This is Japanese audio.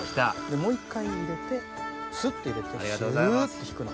もう一回入れてスッと入れてスっと引くの。